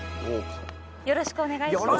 よろしくお願いします